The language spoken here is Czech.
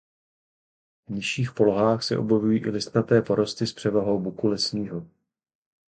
V nižších polohách se objevují i listnaté porosty s převahou buku lesního.